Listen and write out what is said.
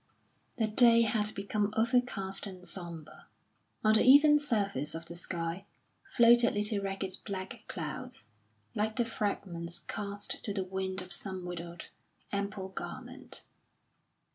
The day had become overcast and sombre; on the even surface of the sky floated little ragged black clouds, like the fragments cast to the wind of some widowed, ample garment.